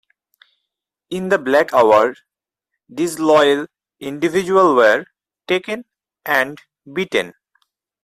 In the "black house" disloyal individuals were taken and beaten.